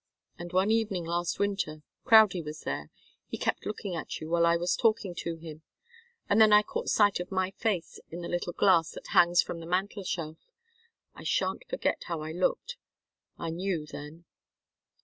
And one evening last winter Crowdie was there he kept looking at you while I was talking to him, and then I caught sight of my face in the little glass that hangs from the mantel shelf. I shan't forget how I looked. I knew then."